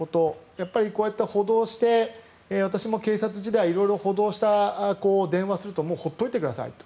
やっぱりこうやって補導して私も警察時代色々補導して電話するともう放っておいてくださいと。